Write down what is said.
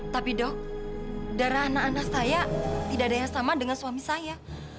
tapi dok darah anak anak saya tidak ada yang sama dengan suami saya